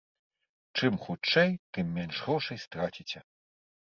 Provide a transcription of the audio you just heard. Чым хутчэй, тым менш грошай страціце.